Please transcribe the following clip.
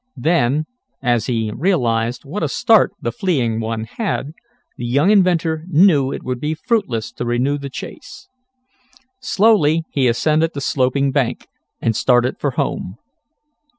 Then, as he realized what a start the fleeing one had, the young inventor knew that it would be fruitless to renew the chase. Slowly he ascended the sloping bank, and started for home.